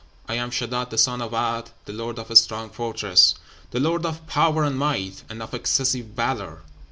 I am Sheddád, the son of 'A'd, the lord of a strong fortress, The lord of power and might, and of excessive valour.